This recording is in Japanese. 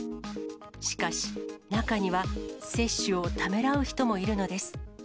しかし、中には接種をためらう人もいるのです。